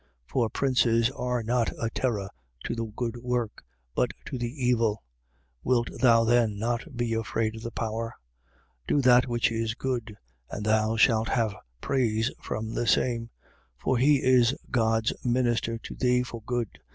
13:3. For princes are not a terror to the good work, but to the evil. Wilt thou then not be afraid of the power? Do that which is good: and thou shalt have praise from the same. 13:4. For he is God's minister to thee, for good.